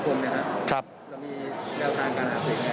เรามีแนวทางการหาเสียง